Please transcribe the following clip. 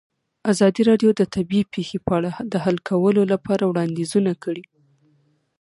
ازادي راډیو د طبیعي پېښې په اړه د حل کولو لپاره وړاندیزونه کړي.